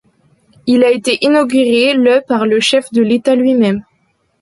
Il a été inauguré le par le chef de l'État lui-même.